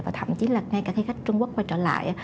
và thậm chí là ngay cả khi khách trung quốc quay trở lại